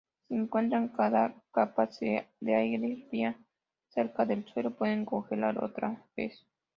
Si encuentran una capa de aire fría cerca del suelo, pueden congelar otra vez.